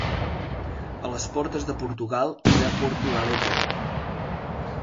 A les portes de Portugal i de Portugalete.